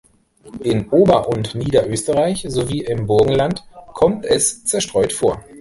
In Ober- und Niederösterreich sowie im Burgenland kommt es zerstreut vor.